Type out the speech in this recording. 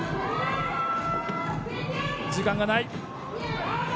時間がない。